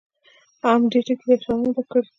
هم دې ټکي ته اشاره نه ده کړې.